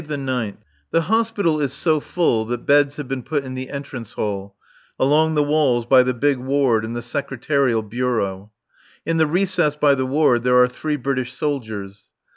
_] The Hospital is so full that beds have been put in the entrance hall, along the walls by the big ward and the secretarial bureau. In the recess by the ward there are three British soldiers.